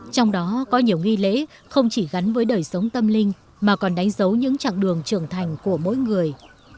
trong đó có nhiều nghi lễ không chỉ gắn với đời sống tâm linh mà còn đánh dấu những chặng đường trưởng thành của mỗi người